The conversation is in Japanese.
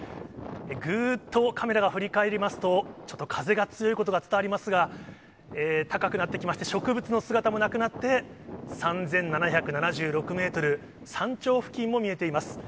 ぐーっとカメラが振り返りますと、ちょっと風が強いことが伝わりますが、高くなってきまして、植物の姿もなくなって、３７７６メートル、山頂付近も見えています。